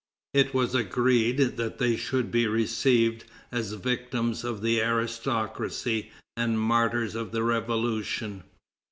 It was agreed that they should be received as victims of the aristocracy and martyrs of the Revolution.